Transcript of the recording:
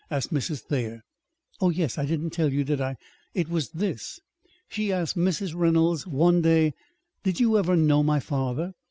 asked Mrs. Thayer. "Oh, yes; I didn't tell you, did I? It was this. She asked Mrs. Reynolds one day: 'Did you ever know my father?'